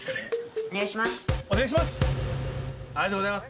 お願いします。